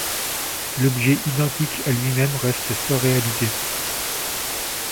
L’objet identique à lui-même reste sans réalité.